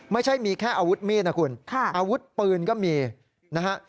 ไม่ใช่มีแค่อาวุธมีดนะคุณอาวุธปืนก็มีนะฮะ